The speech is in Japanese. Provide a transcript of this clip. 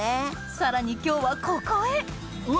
さらに今日はここへうわ！